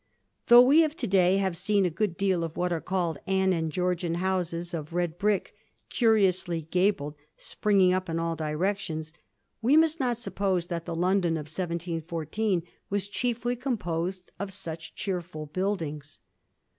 Though we of to day have seen a good deal of what are called Anne and Georgian houses of red brick curiously gabled springing up in all directions^ we must not suppose that the London of 1714 was chiefly composed of such cheerful buildings.